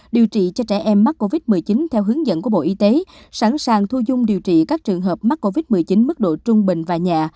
điều trị cho trẻ em mắc covid một mươi chín theo hướng dẫn của bộ y tế sẵn sàng thu dung điều trị các trường hợp mắc covid một mươi chín mức độ trung bình và nhà